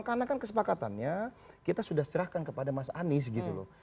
karena kan kesepakatannya kita sudah serahkan kepada mas anies gitu loh